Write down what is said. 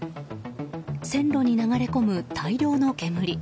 線路に流れ込む大量の煙。